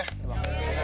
sampai jumpa bu